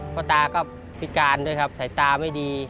พ่อตาก็พิการด้วยครับสายตาไม่ดี